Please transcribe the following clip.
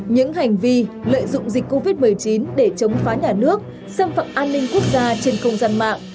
những hành vi lợi dụng dịch covid một mươi chín để chống phá nhà nước xâm phạm an ninh quốc gia trên không gian mạng